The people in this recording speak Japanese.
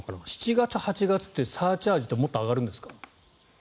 ７月、８月ってサーチャージってもっと上がるんですか？